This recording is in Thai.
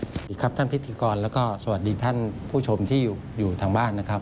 สวัสดีครับท่านพิธีกรแล้วก็สวัสดีท่านผู้ชมที่อยู่ทางบ้านนะครับ